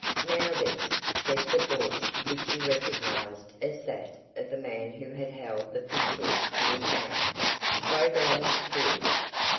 "Now, then," said the voice which he recognised as that of the man who had held the pistol to his mouth, "throw down that tool."